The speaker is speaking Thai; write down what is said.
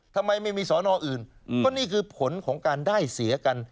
ทำไมไม่มีสอนออื่นก็นี่คือผลของการได้เสียกัน